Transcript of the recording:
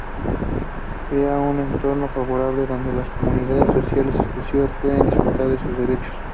Crear un entorno favorable donde las comunidades socialmente excluidas pueden disfrutar de sus derechos.